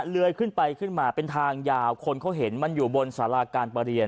เลยขึ้นไปขึ้นมาเป็นทางยาวคนเขาเห็นมันอยู่บนสาราการประเรียน